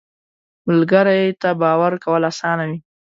ملګری ته باور کول اسانه وي